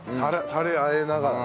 タレ和えながら。